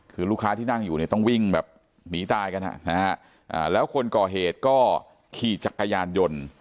คือลูกค้าที่นั่งอยู่เนี่ยต้องวิ่งแบบหนีตายกันแล้วคนก่อเหตุก็ขี่จักรยานยนต์